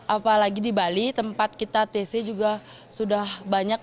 apalagi di bali tempat kita tc juga sudah banyak